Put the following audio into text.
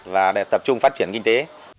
và tập trung phát triển kinh tế